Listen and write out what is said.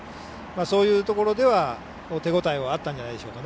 そういうところでは手応えはあったんじゃないでしょうか。